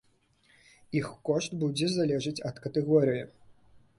Іх кошт будзе залежаць ад катэгорыі.